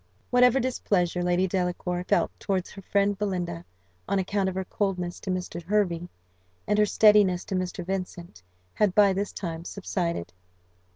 Whatever displeasure Lady Delacour felt towards her friend Belinda, on account of her coldness to Mr. Hervey, and her steadiness to Mr. Vincent, had by this time subsided.